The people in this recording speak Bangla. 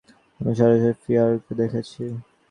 আমি সারাহ ফিয়ারকে দেখেছি।